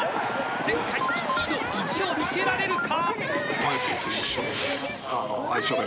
前回１位の意地を見せられるか。